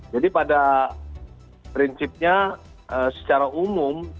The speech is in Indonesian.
jadi pada prinsipnya secara umum